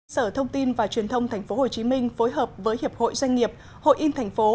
sở thông tin và truyền thông tp hcm phối hợp với hiệp hội doanh nghiệp hội in thành phố